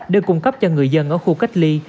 đưa cung cấp cho người dân ở khu cách ly